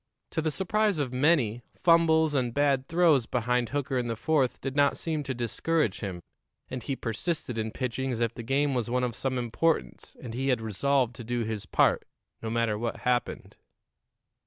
To the surprise of many, fumbles and bad throws behind Hooker in the fourth did not seem to discourage him, and he persisted in pitching as if the game was one of some importance and he had resolved to do his part, no matter what happened.